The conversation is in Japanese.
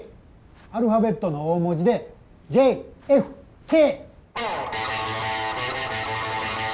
アルファベットの大文字で「ＪＦＫ」！